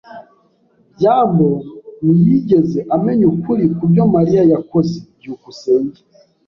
byambo ntiyigeze amenya ukuri kubyo Mariya yakoze. byukusenge